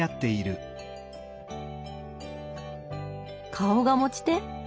顔が持ち手？